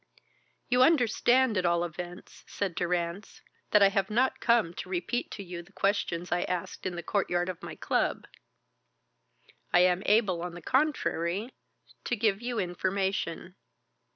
"You understand at all events," said Durrance, "that I have not come to repeat to you the questions I asked in the courtyard of my club. I am able, on the contrary, to give you information."